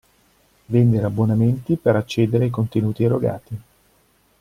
Vendere abbonamenti per accedere ai contenuti erogati.